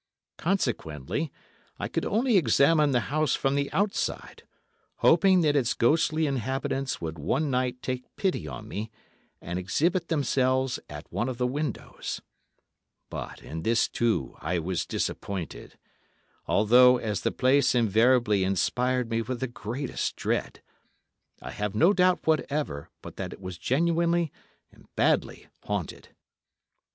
Consequently I could only examine the house from the outside, hoping that its ghostly inhabitants would one night take pity on me and exhibit themselves at one of the windows. But in this, too, I was disappointed; although, as the place invariably inspired me with the greatest dread, I have no doubt whatever but that it was genuinely and badly haunted.